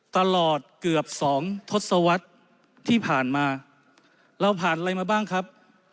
ตลอดเกือบสองทศวรรษที่ผ่านมาเราผ่านอะไรมาบ้างครับ